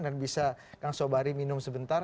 dan bisa kang sobari minum sebentar